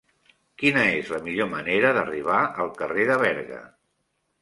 Quina és la millor manera d'arribar al carrer de Berga?